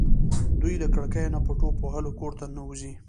دوی له کړکیو نه په ټوپ وهلو کور ته ننوځي.